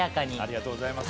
ありがとうございます。